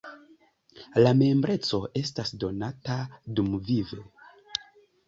La membreco estas donata dumvive.